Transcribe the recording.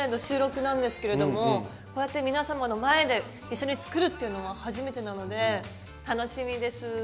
収録なんですけれどもこうやって皆様の前で一緒に作るっていうのは初めてなので楽しみです。